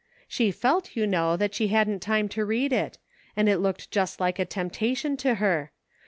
She felt, you know, that she hadn't time to read it ; and it looked just like a temptation to her.